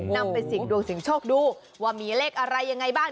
นำไปสิ่งดวงเสียงโชคดูว่ามีเลขอะไรยังไงบ้าง